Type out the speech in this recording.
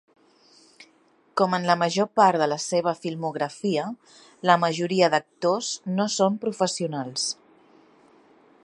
Com en la major part de la seva filmografia, la majoria d'actors no són professionals.